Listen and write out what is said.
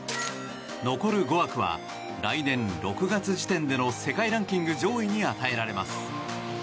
残る５枠は、来年６月時点での世界ランキング上位に与えられます。